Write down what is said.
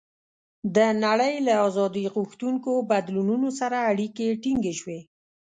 د نړۍ له آزادۍ غوښتونکو بدلونونو سره اړیکې ټینګې شوې.